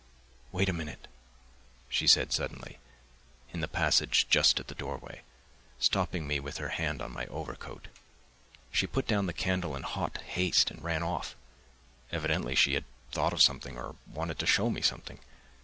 "Wait a minute," she said suddenly, in the passage just at the doorway, stopping me with her hand on my overcoat. She put down the candle in hot haste and ran off; evidently she had thought of something or wanted to show me something.